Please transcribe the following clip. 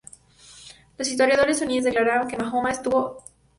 Los historiadores suníes declaran que Mahoma estuvo complacido con la idea y la adoptó.